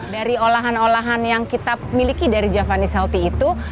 dari olahan olahan yang kita miliki dari javanese healthy itu